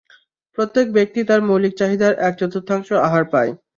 প্রত্যেক ব্যক্তি তার মৌলিক চাহিদার এক-চতুর্থাংশ আহার পায়।